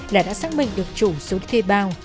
là đã xác minh được chủ số đi thê bao